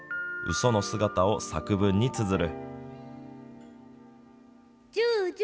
その姿を作文につづる。